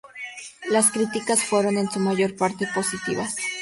Las críticas fueron en su mayor parte positivas.